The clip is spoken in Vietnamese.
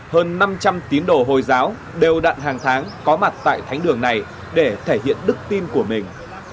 hơn năm trăm linh tín đồ hồi giáo đều đạn hàng tháng có mặt tại thánh đường này để thể hiện đức tin của mình